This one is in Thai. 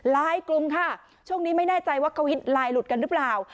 ลายกลุ่มค่ะช่วงนี้ไม่แน่ใจว่าควิจรศัยลายหลุดกันรึเปล่า